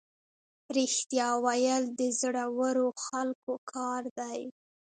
رښتیا ویل د زړورو خلکو کار دی.